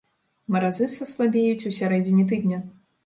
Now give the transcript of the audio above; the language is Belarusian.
Маразы саслабеюць у сярэдзіне тыдня.